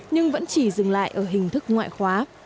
nhưng vẫn chỉ dừng lại ở hình thức ngoại khóa